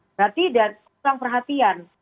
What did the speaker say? berarti dan kurang perhatian